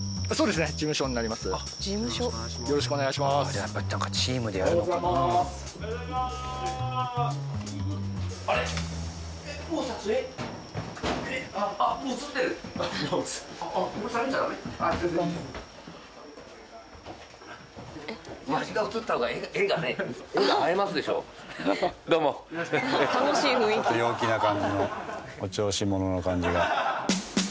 お調子者の感じが。